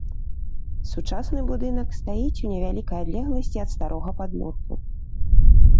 Сучасны будынак стаіць у невялікай адлегласці ад старога падмурку.